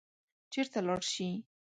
چېرته لاړ شي.